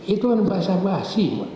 itu kan bahasa bahasi